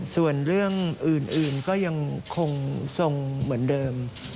ส่วนเรื่องอื่นก็ยังคงทรงเหมือนเดิม